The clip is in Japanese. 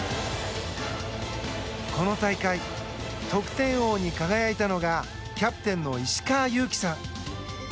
この大会、得点王に輝いたのがキャプテンの石川祐希さん。